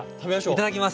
いただきます。